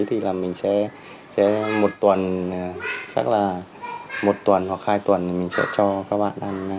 thì là mình sẽ một tuần chắc là một tuần hoặc hai tuần mình sẽ cho các bạn ăn